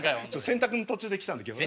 洗濯の途中で来たんで今日ね。